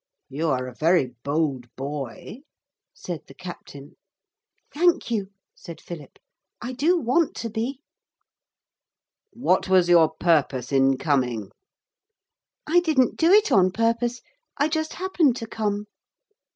'You are a very bold boy,' said the captain. 'Thank you,' said Philip. 'I do want to be.' 'What was your purpose in coming?' 'I didn't do it on purpose I just happened to come.'